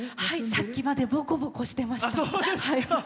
さっきまでぼこぼこしてました。